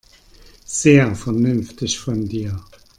Sehr vernünftig von dir.